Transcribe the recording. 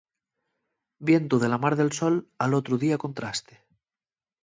Vientu de la mar del sol, al otru día contraste.